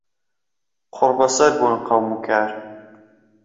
قوڕبه سهر بوون قەوم و کار